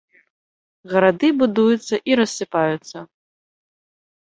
Гарады будуюцца і рассыпаюцца.